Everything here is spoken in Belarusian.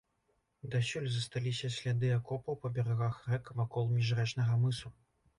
Дасюль засталіся сляды акопаў па берагах рэк вакол міжрэчнага мысу.